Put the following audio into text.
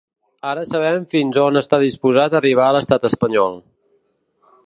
Ara sabem fins on està disposat a arribar l’estat espanyol.